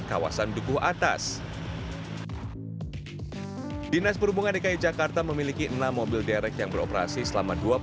kawasan dukuh atas dinas perhubungan dki jakarta memiliki enam mobil derek yang beroperasi selama